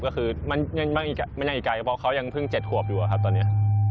ก็คือมันยังไกลเพราะเขายังเพิ่ง๗ขวบอยู่ครับตอนนี้